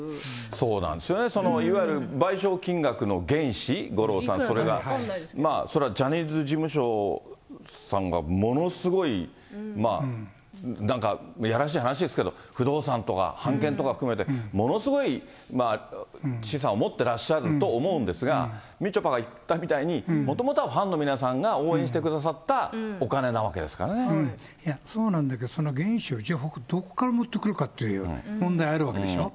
そうなんですよね、いわゆる賠償金額の原資、五郎さん、それが、まあそれはジャニーズ事務所さんが、ものすごい、なんかやらしい話ですけど、不動産とか、版権とか含めて、ものすごい資産を持っていらっしゃると思うんですが、みちょぱが言ったみたいに、もともとはファンの皆さんが応援してくださったお金なわけですかそうなんだけど、その原資をじゃあ、どこから持ってくるかっていうね、問題あるわけでしょう。